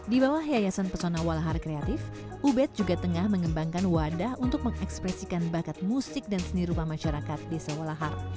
di bawah yayasan pesona walahar kreatif ubed juga tengah mengembangkan wadah untuk mengekspresikan bakat musik dan seni rumah masyarakat desa walahar